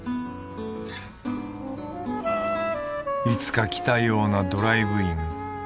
いつか来たようなドライブイン。